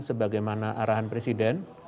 sebagai mana arahan presiden